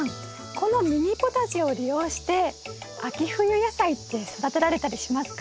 このミニポタジェを利用して秋冬野菜って育てられたりしますか？